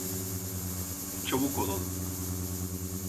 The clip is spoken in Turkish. Çabuk olalım.